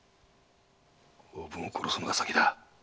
おぶんを殺すのが先だ。